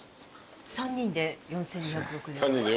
３人で４，２６５円。